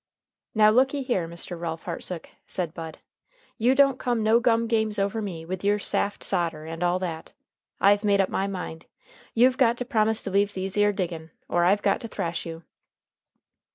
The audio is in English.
"Now, looky here, Mr. Ralph Hartsook," said Bud. "You don't come no gum games over me with your saft sodder and all that. I've made up my mind. You've got to promise to leave these 'ere digging, or I've got to thrash you."